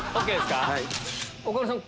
岡村さん